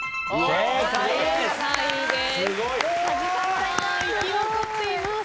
正解です！